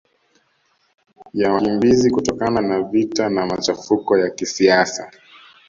ya wakimbizi kutokana na vita na machafuko ya kisiasa